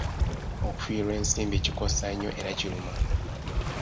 Okufiirwa ensimbi kikosa nnyo era kiruma.